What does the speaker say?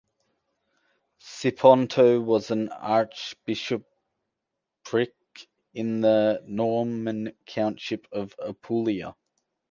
Siponto was an archbishopric in the Norman countship of Apulia.